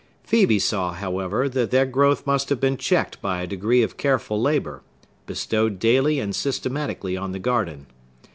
Phœbe saw, however, that their growth must have been checked by a degree of careful labor, bestowed daily and systematically on the garden.